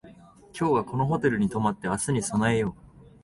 今日はこのホテルに泊まって明日に備えよう